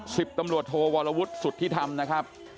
สิบตำรวจโทวรวุฒิสุทธิธรรมนะครับ